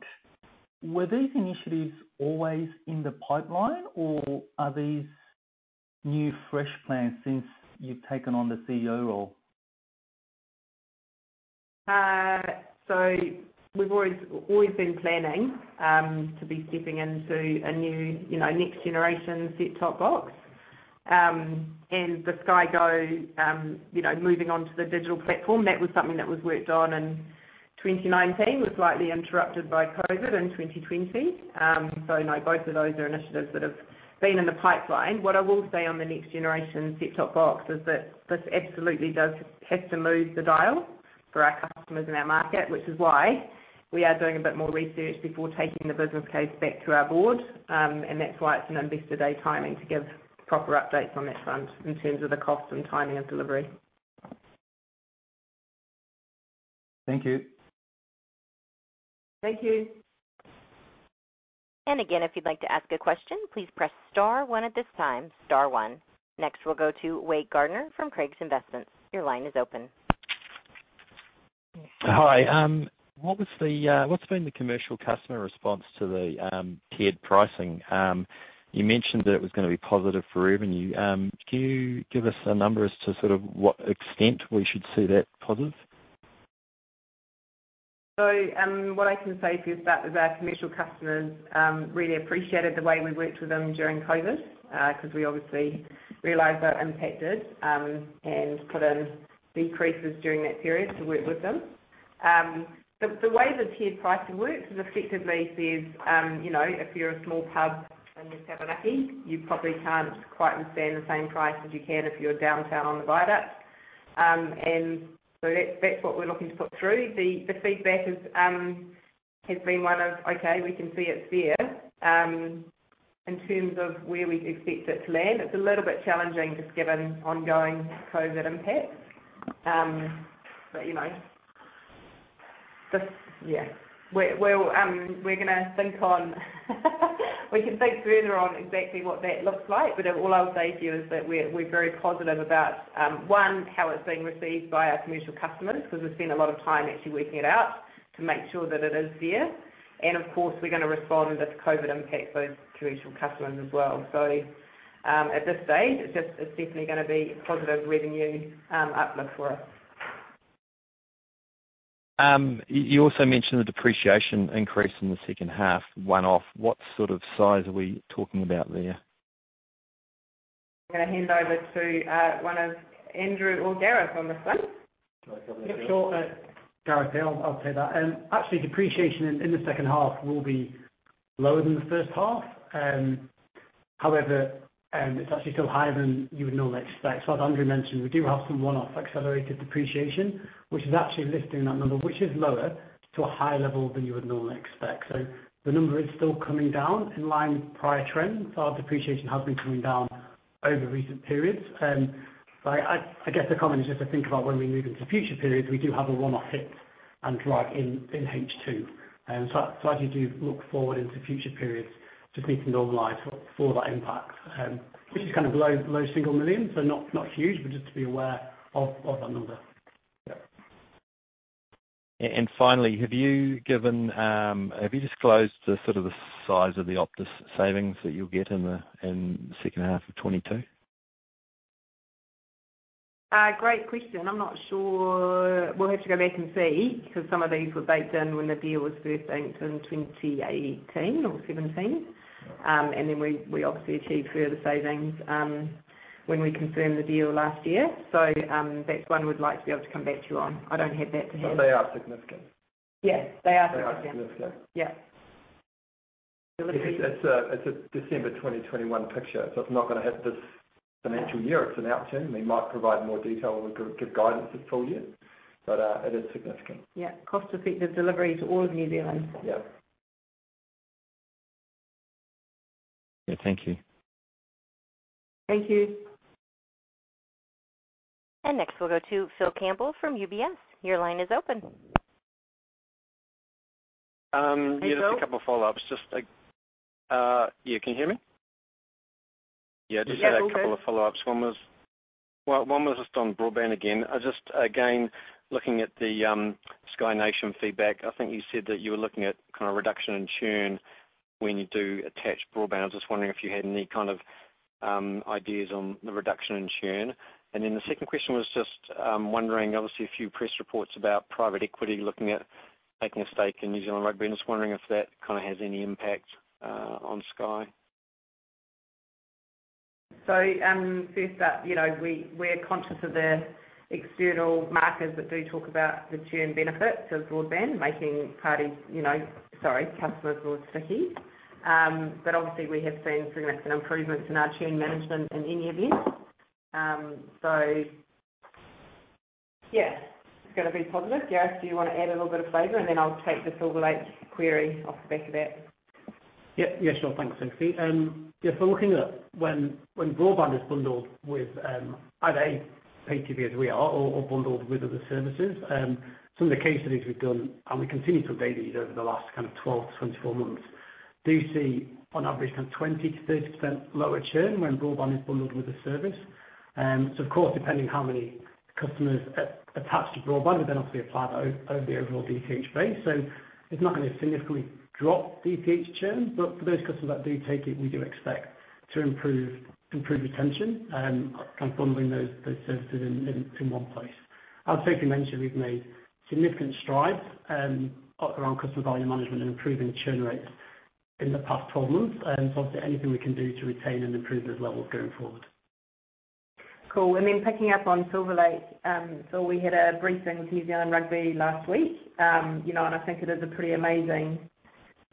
were these initiatives always in the pipeline or are these new fresh plans since you've taken on the CEO role? We've always been planning to be stepping into a new, next generation set-top box. The Sky Go moving onto the digital platform, that was something that was worked on in 2019. Was slightly interrupted by COVID in 2020. No, both of those are initiatives that have been in the pipeline. What I will say on the next generation set-top box is that this absolutely does have to move the dial for our customers and our market, which is why we are doing a bit more research before taking the business case back to our board. That's why it's an investor day timing to give proper updates on that front in terms of the cost and timing of delivery. Thank you. Thank you. Again, if you'd like to ask a question, please press star one at this time. Star one. Next, we'll go to Wade Gardiner from Craigs Investment Partners. Your line is open. Hi. What's been the commercial customer response to the tiered pricing? You mentioned that it was going to be positive for revenue. Can you give us a number as to what extent we should see that positive? What I can say to you is that is our commercial customers really appreciated the way we worked with them during COVID, because we obviously realized they were impacted, and put in decreases during that period to work with them. The way the tiered pricing works is effectively says, if you're a small pub in the Taranaki, you probably can't quite withstand the same price as you can if you're downtown on the Viaduct. That's what we're looking to put through. The feedback has been one of, okay, we can see it's there. In terms of where we expect it to land, it's a little bit challenging just given ongoing COVID impacts. Yeah. We can think further on exactly what that looks like. All I'll say to you is that we're very positive about, one, how it's being received by our commercial customers, because we've spent a lot of time actually working it out to make sure that it is fair. Of course, we're going to respond if COVID impacts those commercial customers as well. At this stage, it's definitely going to be positive revenue outlook for us. You also mentioned the depreciation increase in the second half one-off. What sort of size are we talking about there? I'm going to hand over to one of Andrew or Gareth on this one. Do you want to cover this, Gareth? Sure. Gareth here. I'll take that. Actually, depreciation in the second half will be lower than the first half. It's actually still higher than you would normally expect. As Andrew mentioned, we do have some one-off accelerated depreciation, which is actually lifting that number, which is lower to a higher level than you would normally expect. The number is still coming down in line with prior trends. Our depreciation has been coming down over recent periods. I guess the comment is just to think about when we move into future periods, we do have a one-off hit in H2. As you do look forward into future periods, just need to normalize for that impact, which is low single million, so not huge, but just to be aware of that number. Yeah. Finally, have you disclosed the size of the Optus savings that you will get in the second half of 2022? Great question. I'm not sure. We'll have to go back and see, because some of these were baked in when the deal was first inked in 2018 or 2017. Then we obviously achieved further savings when we confirmed the deal last year. That's one we'd like to be able to come back to you on. I don't have that to hand. They are significant. Yes, they are significant. They are significant. Yeah. It's a December 2021 picture, so it's not going to hit this financial year. It's an out-turn. We might provide more detail or give guidance at full year. It is significant. Cost-effective delivery to all of New Zealand. Yeah. Yeah. Thank you. Thank you. Next we'll go to Phil Campbell from UBS. Your line is open. Hi, Phil. Yeah, just a couple of follow-ups. Yeah, can you hear me? Yeah. Yeah. Okay. Just had a couple of follow-ups. One was just on broadband again. Just again, looking at the Sky Nation feedback, I think you said that you were looking at kind of reduction in churn when you do attached broadband. I was just wondering if you had any kind of ideas on the reduction in churn. The second question was just wondering, obviously, a few press reports about private equity looking at taking a stake in New Zealand Rugby, and just wondering if that has any impact on Sky. First up, we're conscious of the external markers that do talk about the churn benefits of broadband, making customers more sticky. Obviously, we have seen significant improvements in our churn management in any event. Yeah, it's got to be positive. Gareth, do you want to add a little bit of flavor, and then I'll take the Silver Lake query off the back of that? Sure. Thanks, Sophie. Looking at when broadband is bundled with either pay TV as we are or bundled with other services, some of the case studies we've done, and we continue to update these over the last 12 to 24 months, do see on average kind of 20%-30% lower churn when broadband is bundled with a service. Of course, depending how many customers attach to broadband, we then obviously apply that over the overall DTH base. It's not going to significantly drop DTH churn. For those customers that do take it, we do expect to improve retention, kind of bundling those services in one place. As Sophie mentioned, we've made significant strides around customer value management and improving churn rates in the past 12 months. Obviously anything we can do to retain and improve those levels going forward. Cool. Then picking up on Silver Lake. I think it has the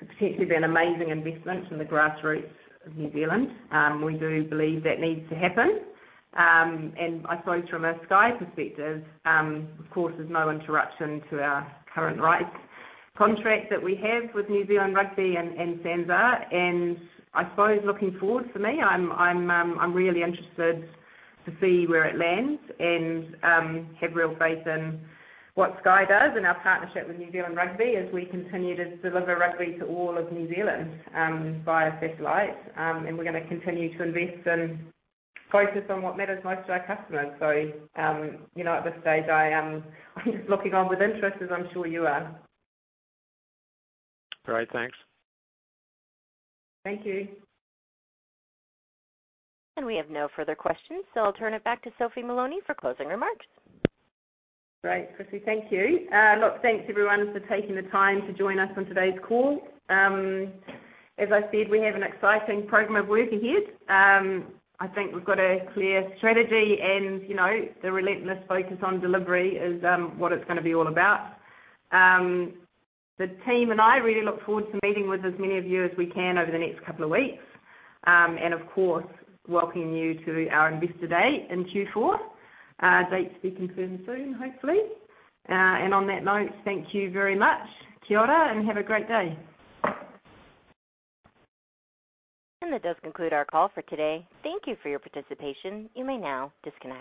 potential to be an amazing investment in the grassroots of New Zealand. We do believe that needs to happen. I suppose from a Sky perspective, of course there's no interruption to our current rights contract that we have with New Zealand Rugby and SANZAAR. I suppose looking forward for me, I'm really interested to see where it lands and have real faith in what Sky does and our partnership with New Zealand Rugby as we continue to deliver rugby to all of New Zealand via satellite. We're going to continue to invest and focus on what matters most to our customers. At this stage, I'm just looking on with interest, as I'm sure you are. All right. Thanks. Thank you. We have no further questions, so I'll turn it back to Sophie Moloney for closing remarks. Great. Chrissy, thank you. Look, thanks, everyone, for taking the time to join us on today's call. As I said, we have an exciting program of work ahead. I think we've got a clear strategy, and the relentless focus on delivery is what it's going to be all about. The team and I really look forward to meeting with as many of you as we can over the next couple of weeks. Of course, welcoming you to our investor day in Q4. Date to be confirmed soon, hopefully. On that note, thank you very much. Kia ora, and have a great day. That does conclude our call for today. Thank you for your participation. You may now disconnect.